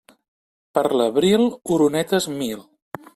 Per l'abril, oronetes mil.